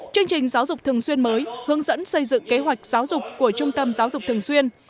chương trình giáo dục thường xuyên mới hướng dẫn xây dựng kế hoạch giáo dục của trung tâm giáo dục thường xuyên